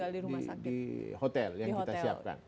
mereka tinggal di hotel yang kita siapkan